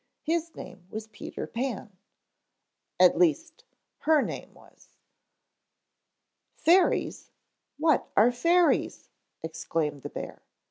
His name was Peter Pan. At least her name was." "Fairies! What are fairies?" exclaimed the bear.